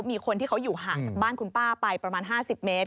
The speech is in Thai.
มีคนที่เขาอยู่ห่างจากบ้านคุณป้าไปประมาณ๕๐เมตร